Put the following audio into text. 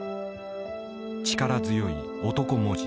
力強い「男文字」